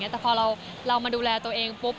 แต่พอเรามาดูแลตัวเองปุ๊บ